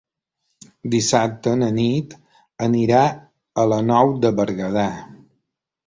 Dissabte na Nit anirà a la Nou de Berguedà.